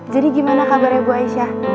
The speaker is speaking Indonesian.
jadi gimana kabarnya bu aisyah